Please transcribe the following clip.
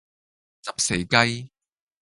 執死雞